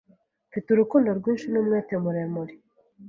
Mfite urukundo rwinshi n'umwete muremure